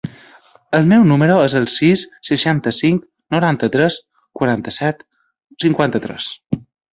El meu número es el sis, seixanta-cinc, noranta-tres, quaranta-set, cinquanta-tres.